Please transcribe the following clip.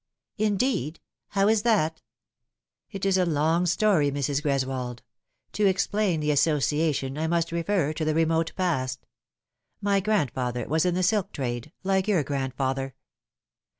" Indeed ! How is that ?"" It is a long story, Mrs. Greswold. To explain the associa tion I must refer to the remote past. My grandfather was in the silk trade, like your grandfather."